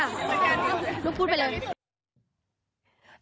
ลูกพูดไปเลย